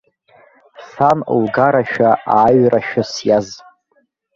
Сан лгарашәа ааҩрашәа сиаз.